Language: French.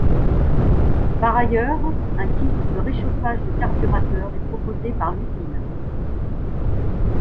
Par ailleurs, Un kit de réchauffage de carburateurs est proposé par l'usine.